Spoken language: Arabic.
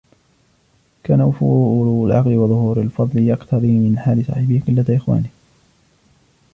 كَانَ وُفُورُ الْعَقْلِ وَظُهُورُ الْفَضْلِ يَقْتَضِي مِنْ حَالِ صَاحِبِهِ قِلَّةَ إخْوَانِهِ